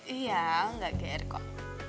iya gak gr kok